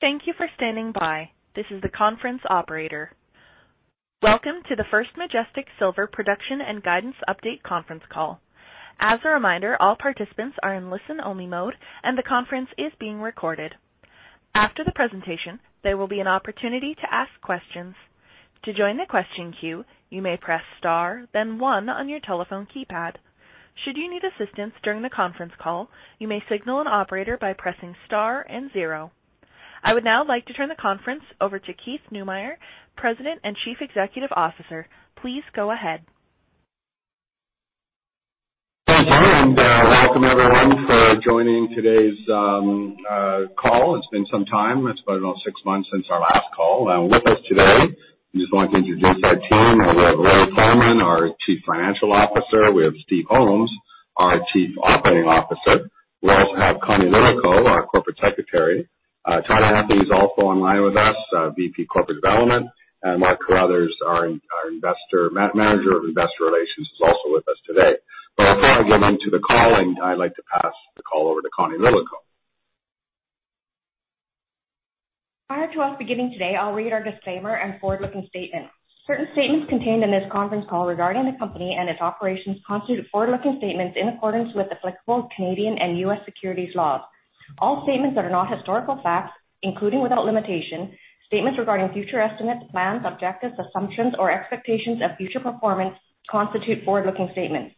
Thank you for standing by. This is the conference operator. Welcome to the First Majestic Silver Production and Guidance Update Conference Call. As a reminder, all participants are in listen-only mode, and the conference is being recorded. After the presentation, there will be an opportunity to ask questions. To join the question queue, you may press star then one on your telephone keypad. Should you need assistance during the conference call, you may signal an operator by pressing star and zero. I would now like to turn the conference over to Keith Neumeyer, President and Chief Executive Officer. Please go ahead. Thank you. Welcome everyone for joining today's call. It's been some time. It's been almost six months since our last call. With us today, I'm just going to introduce our team. We have Raymond Polman, our Chief Financial Officer. We have Steve Holmes, our Chief Operating Officer. We also have Connie Lillico, our Corporate Secretary. Todd Anthony is also online with us, VP, Corporate Development, and Mark Carruthers, our Manager of Investor Relations is also with us today. Before I get into the call, I'd like to pass the call over to Connie Lillico. Prior to us beginning today, I'll read our disclaimer and forward-looking statements. Certain statements contained in this conference call regarding the company and its operations constitute forward-looking statements in accordance with applicable Canadian and U.S. securities laws. All statements that are not historical facts, including without limitation, statements regarding future estimates, plans, objectives, assumptions, or expectations of future performance, constitute forward-looking statements.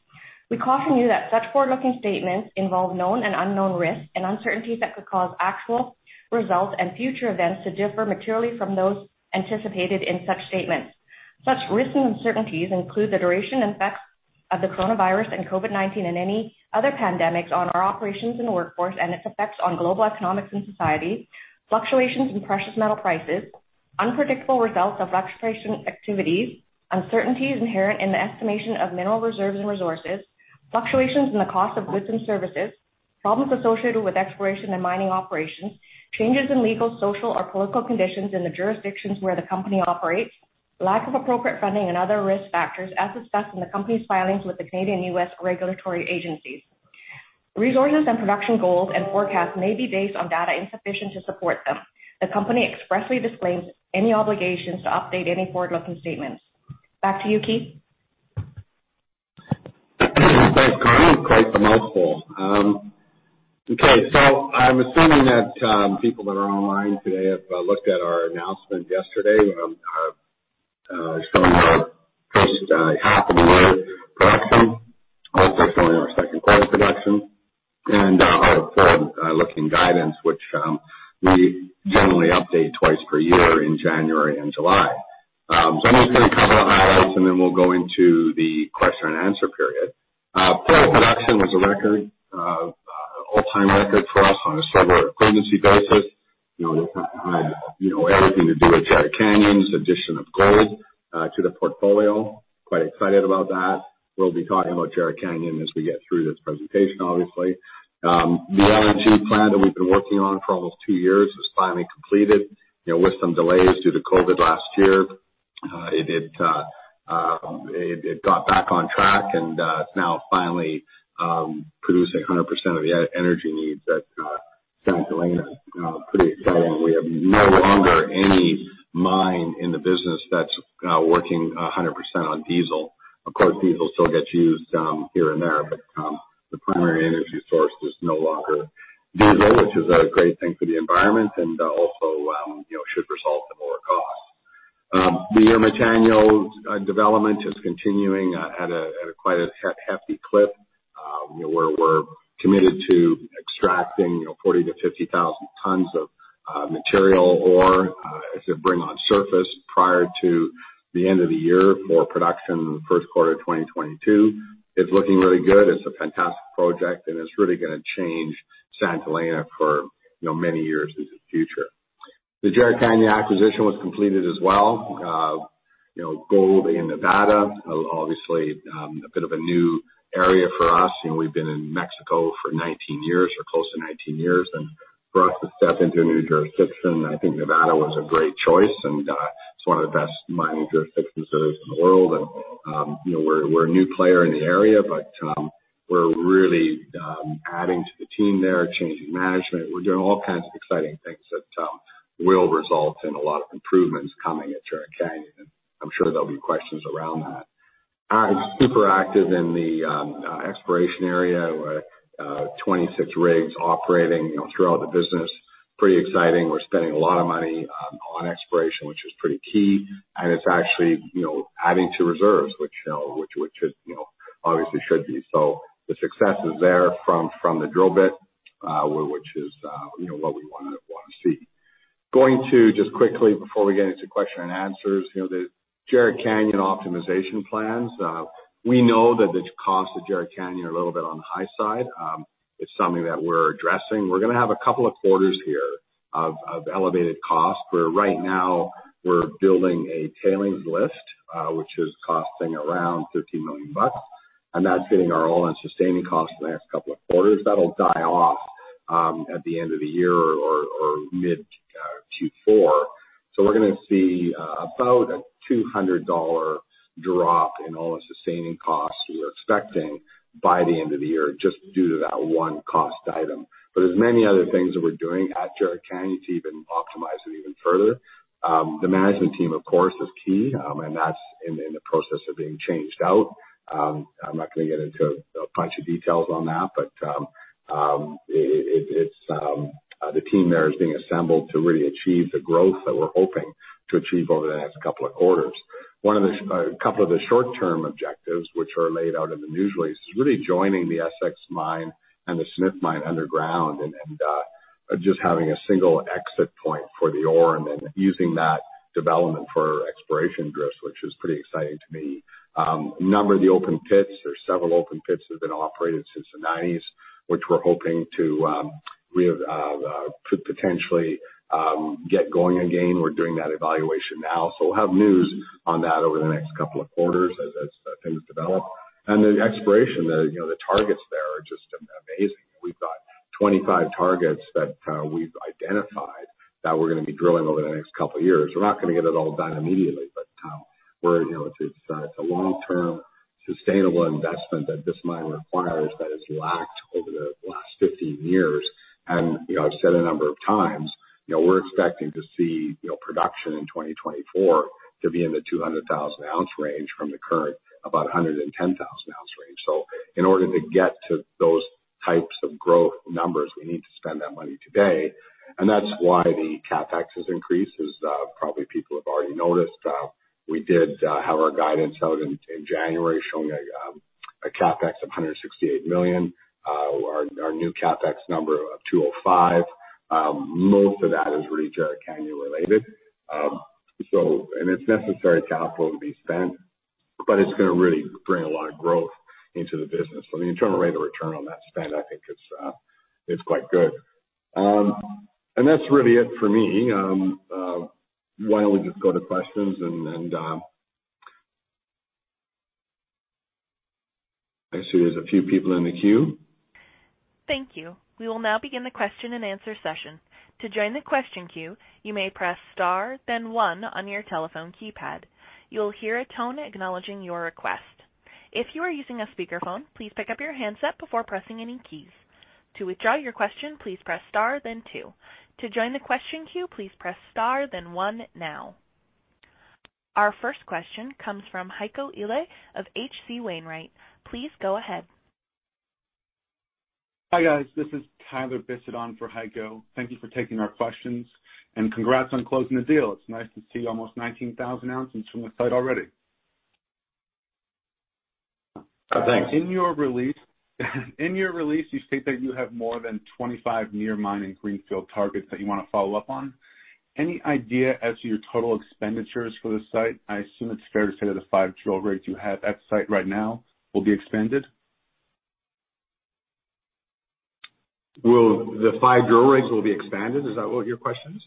We caution you that such forward-looking statements involve known and unknown risks and uncertainties that could cause actual results and future events to differ materially from those anticipated in such statements. Such risks and uncertainties include the duration and effects of the coronavirus and COVID-19 and any other pandemic on our operations and workforce and its effects on global economics and society, fluctuations in precious metal prices, unpredictable results of exploration activities, uncertainties inherent in the estimation of mineral reserves and resources, fluctuations in the cost of goods and services, problems associated with exploration and mining operations, changes in legal, social, or political conditions in the jurisdictions where the company operates, lack of appropriate funding and other risk factors as discussed in the company's filings with the Canadian and U.S. regulatory agencies. Resource and production goals and forecasts may be based on data insufficient to support them. The company expressly disclaims any obligation to update any forward-looking statements. Back to you, Keith. Thanks, Connie. Quite the mouthful. I'm assuming that people that are online today have looked at our announcement yesterday showing our first half of the year production, also showing our second quarter production and our forward-looking guidance, which we generally update two times per year in January and July. I'm just going to cover those items, and then we'll go into the question-and-answer period. Production was a record, all-time record for us on a silver equivalency basis. Working behind everything to do with Jerritt Canyon's addition of gold to the portfolio. Quite excited about that. We'll be talking about Jerritt Canyon as we get through this presentation, obviously. The energy plan that we've been working on for almost two years is finally completed. With some delays due to COVID-19 last year, it got back on track and is now finally producing 100% of the energy needs at Santa Elena. Pretty excited we have no longer any mine in the business that's working 100% on diesel. Of course, diesel still gets used here and there, but the primary energy source is no longer diesel, which is a great thing for the environment and also should result in lower costs. The [San Dimas] development is continuing at a quite a hefty clip, where we're committed to extracting 40,000-50,000 tons of material ore to bring on surface prior to the end of the year for production in the first quarter of 2022. It's looking really good. It's a fantastic project, and it's really going to change Santa Elena for many years into the future. The Jerritt Canyon acquisition was completed as well. Gold in Nevada, obviously, a bit of a new area for us. We've been in Mexico for 19 years or close to 19 years, and for us to step into a new jurisdiction, I think Nevada was a great choice, and it's one of the best mining jurisdictions in the world. We're a new player in the area, but we're really adding to the team there, changing management. We're doing all kinds of exciting things that will result in a lot of improvements coming at Jerritt Canyon. I'm sure there'll be questions around that. Super active in the exploration area with 26 rigs operating throughout the business. Pretty exciting. We're spending a lot of money on exploration, which is pretty key, and it's actually adding to reserves, which obviously should be. The success is there from the drill bit, which is what we want to see. Going to just quickly before we get into question-and-answers, the Jerritt Canyon optimization plans. We know that the cost of Jerritt Canyon a little bit on the high side. It's something that we're addressing. We're going to have a couple of quarters here of elevated cost, where right now we're building a tailings lift, which is costing around $15 million, and that's in our all-in sustaining costs for the next couple of quarters. That'll die off at the end of the year or mid-Q4. We're going to see about a $200 drop in all the sustaining costs we were expecting by the end of the year, just due to that one cost item. There's many other things that we're doing at Jerritt Canyon to even optimize it even further. The management team, of course, is key, and that's in the process of being changed out. I'm not going to get into a bunch of details on that, but the team there is being assembled to really achieve the growth that we're hoping to achieve over the next [couple of] quarters. One of the [couple of] short-term objectives, which are laid out in the news release, is really joining the SSX mine and the Smith mine underground and just having a single exit point for the ore and then using that development for exploration drifts, which is pretty exciting to me. A number of the open pits, there's several open pits that have been operating since the 1990s, which we're hoping to potentially get going again. We're doing that evaluation now, so we'll have news on that over the next [couple of] quarters as things develop. Exploration, the targets there are just amazing. We've got 25 targets that we've identified that we're going to be drilling over the next couple of years. We're not going to get it all done immediately, but it's a long term sustainable investment that this mine requires that has lacked over the last 15 years. I've said a number of times, we're expecting to see production in 2024 to be in the 200,000 ounce range from the current about 110,000 ounce range. In order to get to those types of growth numbers, we need to spend that money today, and that's why the CapEx has increased, as probably people have already noticed. We did have our guidance out in January showing a CapEx of $168 million, our new CapEx number of $205 million. Most of that is really Jerritt Canyon related. It's necessary capital to be spent, but it's going to really bring a lot of growth into the business. The internal rate of return on that spend, I think is quite good. That's really it for me. Why don't we just go to questions and I see there's a few people in the queue. Thank you. We will now begin the question-and-answer session. To join the question queue, please press star then one on your telephone keypad. You will hear a confirmation tone acknowledging your request. If you are using a speakerphone, please pick up your handset before pressing any keys. To withdraw your question, please press star then two. To join the question queue, please press star then one now. Our first question comes from Heiko Ihle of H.C. Wainwright. Please go ahead. Hi, guys. This is Tyler Bisset for Heiko. Thank you for taking our questions, and congrats on closing the deal. It's nice to see almost 19,000 ounces from the site already. Okay. In your release you state that you have more than 25 near mining greenfield targets that you want to follow up on. Any idea as to your total expenditures for the site? I assume it's fair to say the five drill rigs you have at site right now will be expanded. The five drill rigs will be expanded, is that what your question is?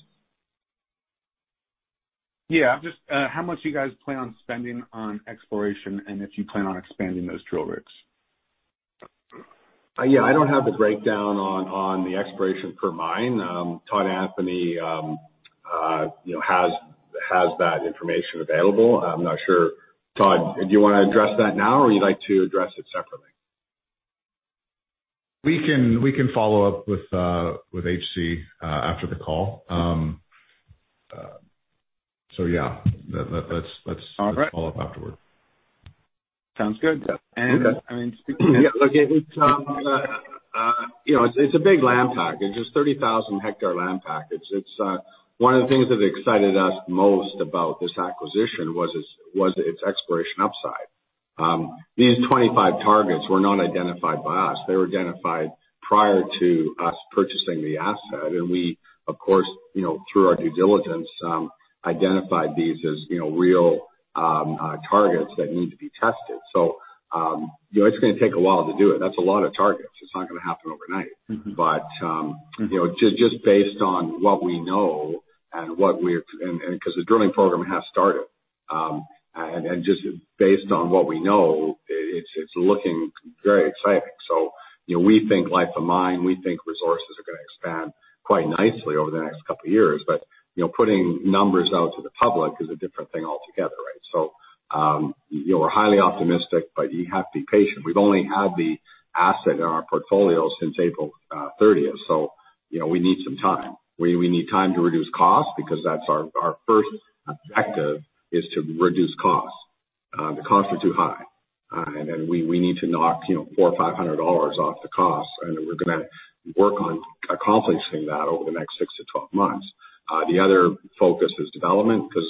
Yeah, just how much you guys plan on spending on exploration and if you plan on expanding those drill rigs? I don't have the breakdown on the exploration per mine. Todd Anthony has that information available. I'm not sure, Todd, do you want to address that now or you'd like to address it separately? We can follow up with H.C. after the call. Yeah, let's follow up afterward. Sounds good. It's a big land package. It's a 30,000-hectare land package. One of the things that excited us most about this acquisition was its exploration upside. These 25 targets were not identified by us. They were identified prior to us purchasing the asset, and we of course through our due diligence identified these as real targets that need to be tested. It's going to take a while to do it. That's a lot of targets. It's not going to happen overnight. Just based on what we know and because the drilling program has started, and just based on what we know, it's looking very exciting. We think life of mine, we think resources are going to expand quite nicely over the next couple of years. Putting numbers out to the public is a different thing altogether, right? We're highly optimistic, but you have to be patient. We've only had the asset in our portfolio since April 30th, so we need some time. We need time to reduce costs because that's our first objective is to reduce costs. The costs are too high, and we need to knock $400 or $500 off the cost, and we're going to work on accomplishing that over the next 6-12 months. The other focus is development, because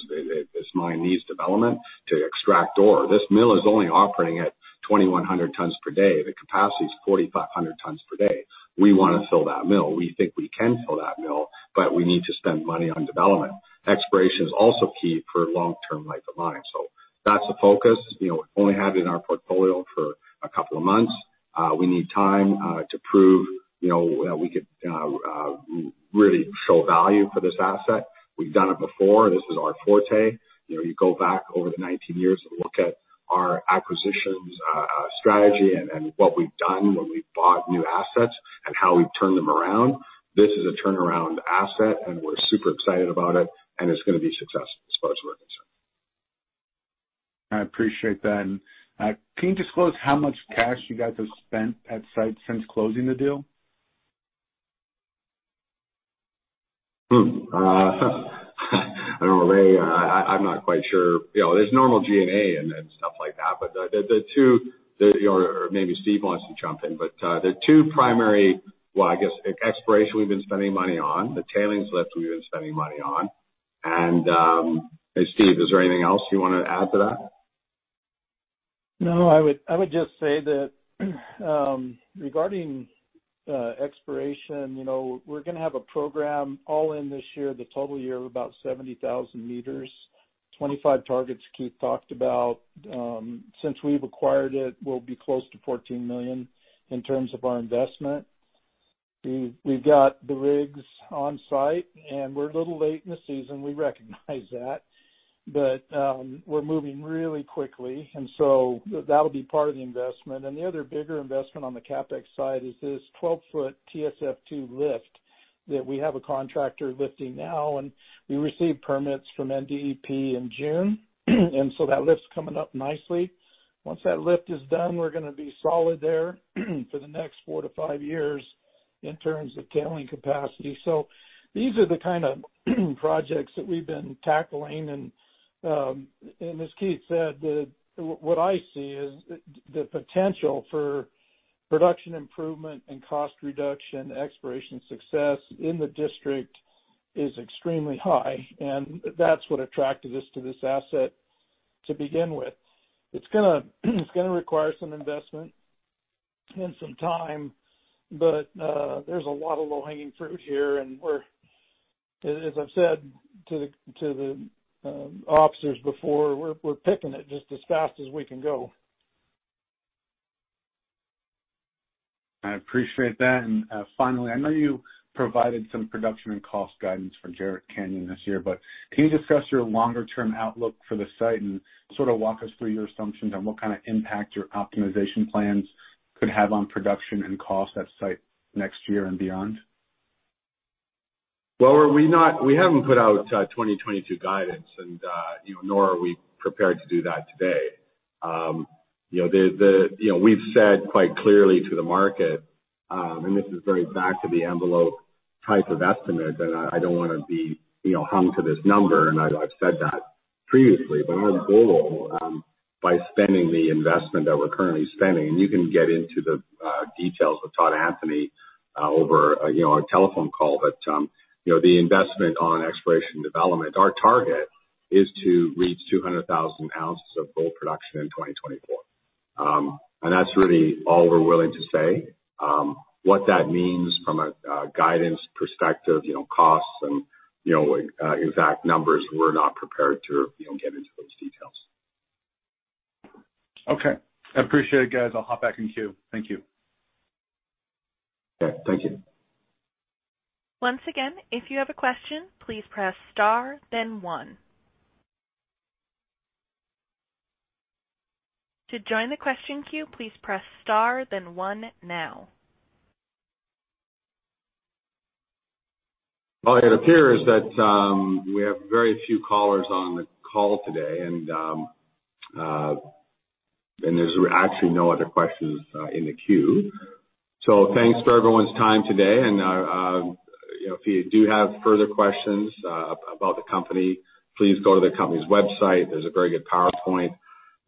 this mine needs development to extract ore. This mill is only operating at 2,100 tons per day. The capacity is 4,500 tons per day. We want to fill that mill. We think we can fill that mill, but we need to spend money on development. Exploration is also key for long term life of mine. That's the focus. We've only had it in our portfolio for a couple of months. We need time to prove that we could really show value for this asset. We've done it before and this is our forte. You go back over the 19 years and look at our acquisitions strategy and what we've done when we've bought new assets and how we turn them around. This is a turnaround asset and we're super excited about it, and it's going to be successful is what it is. I appreciate that. Can you disclose how much cash you guys have spent at site since closing the deal? I'm not quite sure. There's normal G&A in it, stuff like that. Maybe Steve wants to jump in, but the two primary, well, I guess exploration we've been spending money on, the tailings lift we've been spending money on and, Steve, is there anything else you wanted to add to that? No, I would just say that regarding exploration, we're going to have a program all in this year, the total year of about 70,000 m. 25 targets Keith talked about. Since we've acquired it, we'll be close to $14 million in terms of our investment. We've got the rigs on site, and we're a little late in the season, we recognize that, but we're moving really quickly. That'll be part of the investment. The other bigger investment on the CapEx side is this 12 ft TSF2 lift that we have a contractor lifting now, and we received permits from NDEP in June. That lift's coming up nicely. Once that lift is done, we're going to be solid there for the next four to five years in terms of tailing capacity. These are the kind of projects that we've been tackling. as Keith said, what I see is the potential for production improvement and cost reduction, exploration success in the district is extremely high, and that's what attracted us to this asset to begin with. It's going to require some investment and some time, but there's a lot of low-hanging fruit here, and we're, as I said to the officers before, we're picking it just as fast as we can go. I appreciate that. Finally, I know you provided some production and cost guidance for Jerritt Canyon this year, but can you discuss your longer-term outlook for the site and sort of walk us through your assumptions on what kind of impact your optimization plans could have on production and cost at site next year and beyond? Well, we haven't put out 2022 guidance and nor are we prepared to do that today. We've said quite clearly to the market, and this is very back-of-the-envelope type of estimate, and I don't want to be hung to this number, and I've said that previously. Our goal by spending the investment that we're currently spending, and you can get into the details with Todd Anthony over a telephone call. The investment on exploration development, our target is to reach 200,000 ounces of gold production in 2024. That's really all we're willing to say. What that means from a guidance perspective, costs and impact numbers, we're not prepared to get into those details. Okay. I appreciate it, guys. I'll hop back in queue. Thank you. Yeah. Thank you. Once again, if you have a question, please press star then one. To join the question queue, please press star then one now. Well, it appears that we have very few callers on the call today, and there's actually no other questions in the queue. Thanks for everyone's time today. If you do have further questions about the company, please go to the company's website. There's a very good PowerPoint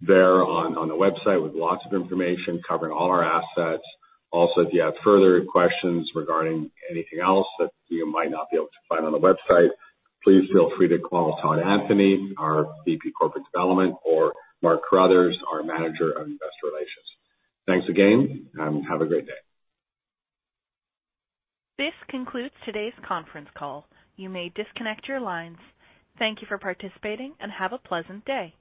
there on the website with lots of information covering all our assets. Also, if you have further questions regarding anything else that you might not be able to find on the website, please feel free to call Todd Anthony, our VP Corporate Development, or Mark Carruthers, our Manager of Investor Relations. Thanks again, and have a great day. This concludes today's conference call. You may disconnect your lines. Thank you for participating and have a pleasant day.